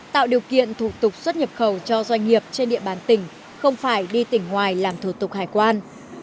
tạo điều kiện thủ tục xuất nhập khẩu cho doanh nghiệp trên địa bàn tỉnh không phải đi tỉnh ngoài làm thủ tục hải quan